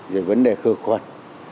rồi vấn đề khởi khuẩn